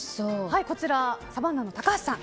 こちらサバンナの高橋さん